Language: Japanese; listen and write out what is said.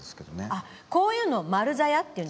あっこういうのを丸ざやっていうんですか。